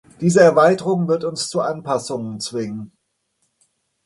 Diese Erweiterung wird uns zu Anpassungen zwingen.